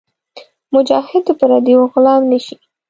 مجاهد د پردیو غلام نهشي.